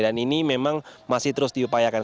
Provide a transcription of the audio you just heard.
dan ini memang masih terus diupayakan